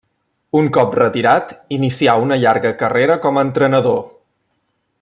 Un cop retirat inicià una llarga carrera com a entrenador.